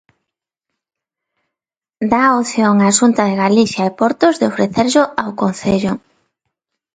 Dá a opción a Xunta de Galicia e Portos de ofrecerllo ao concello.